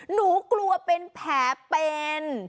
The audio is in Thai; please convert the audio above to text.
หนูกลัวเป็นแผลเป็น